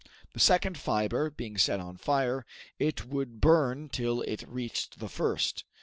The second fiber being set on fire, it would burn till it reached the first.